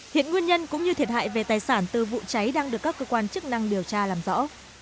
hiện nguyên nhân cũng như thiệt hại về tài sản từ vụ cháy đang được các cơ quan chức năng điều tra làm rõ